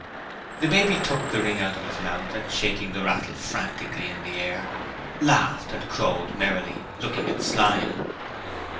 The baby took the ring out of its mouth and shaking the rattle frantically in the air laughed and crowed merrily, looking at Slyme.